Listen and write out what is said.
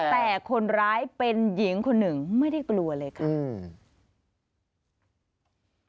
แต่คนร้ายเป็นหญิงคนหนึ่งไม่ได้กลัวเลยค่ะอืม